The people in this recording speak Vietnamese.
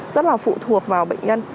rất là phụ thuộc vào bệnh nhân